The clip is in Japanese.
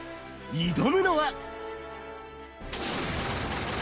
挑むのは。